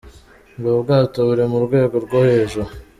Ubu bwato buri mu rwego rwo hejuru.